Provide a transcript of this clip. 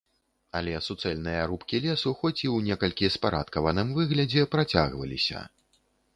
Але суцэльныя рубкі лесу, хоць і ў некалькі спарадкаваным выглядзе, працягваліся.